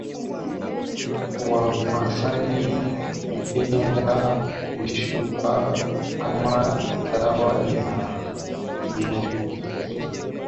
Wamasai hupenda kuichukua kama dawa na inajulikana kuwafanya jasiri wenye nguvu na washindani